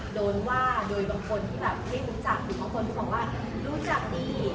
โดนว่าโดยบางคนที่แบบไม่รู้จักหรือบางคนที่บอกว่ารู้จักดี